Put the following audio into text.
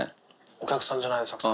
お客さんじゃないよ作戦。